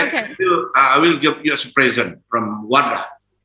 saya akan memberikan penelitian dari warna